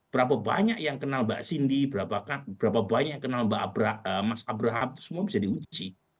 berapa banyak yang kenal mbak cindy berapa banyak yang kenal mbak mas abraham semua bisa diuji